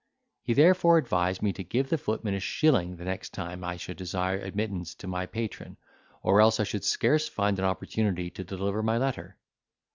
He therefore advised me to give the footman a shilling the next time I should desire admittance to my patron, or else I should scarce find an opportunity to deliver my letter.